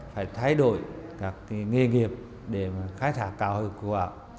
phải thay đổi các nghề nghiệp để khai thác cao hiệu quả